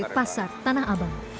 di pasar tanah abang